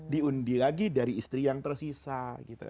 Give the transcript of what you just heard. diundi lagi dari istri yang tersisa gitu